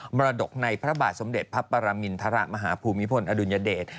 มรดกในพระบาทสมเด็จพระปรมินทรมาฮภูมิพลอดุลยเดช